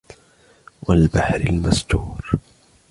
وَالْبَحْرِ الْمَسْجُورِ